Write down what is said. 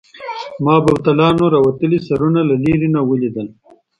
ما بوتلانو راوتلي سرونه له لیري نه ولیدل.